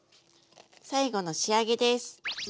最後の仕上げです。